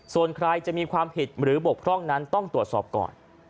ส่วนใครจะมีความผิดหรือบกพร่องนั้นต้องตรวจสอบก่อน